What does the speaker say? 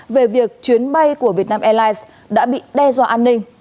về việc chuyến bay của vietnam airlines đã bị đe dọa an ninh